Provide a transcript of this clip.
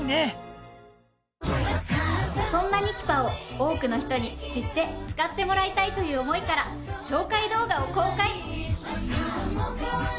そんなニキパを多くの人に知って使ってもらいたいという思いから紹介動画を公開！